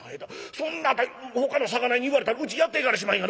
そんなんほかの魚屋に言われたらうちやっていかれしまへん。